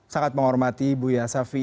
sangat menghormati bu ya safi